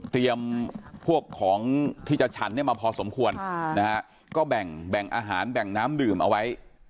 เตรียมพวกของที่จะฉันมาพอสมควรก็แบ่งอาหารแบ่งน้ำดื่มเอาไว้